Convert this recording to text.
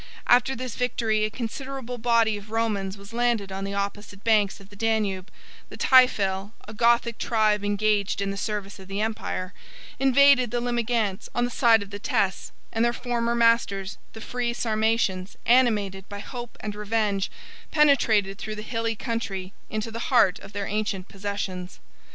After this victory, a considerable body of Romans was landed on the opposite banks of the Danube; the Taifalæ, a Gothic tribe engaged in the service of the empire, invaded the Limigantes on the side of the Teyss; and their former masters, the free Sarmatians, animated by hope and revenge, penetrated through the hilly country, into the heart of their ancient possessions.